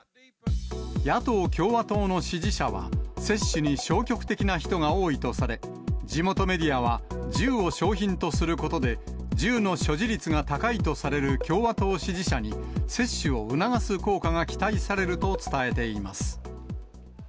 野党・共和党の支持者は、接種に消極的な人が多いとされ、地元メディアは銃を賞品とすることで、銃の所持率が高いとされる共和党支持者に、接種を促す効果が期待されると伝えています。